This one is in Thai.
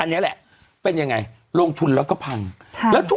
อันเนี้ยแหละเป็นยังไงลงทุนแล้วก็พังใช่